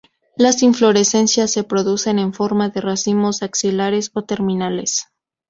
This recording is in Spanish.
Las inflorescencias se producen en forma de racimos axilares o terminales.